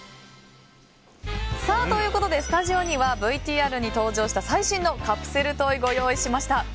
ということでスタジオにはＶＴＲに登場した最新のカプセルトイご用意しました。